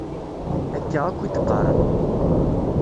Akka akk i d-qqaren.